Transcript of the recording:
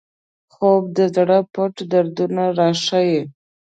خوب د زړه پټ دردونه راښيي